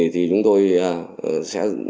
thì chúng tôi sẽ